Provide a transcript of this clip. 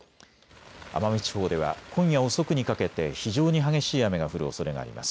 奄美地方では今夜遅くにかけて非常に激しい雨が降るおそれがあります。